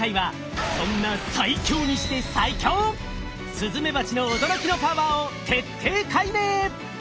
スズメバチの驚きのパワーを徹底解明！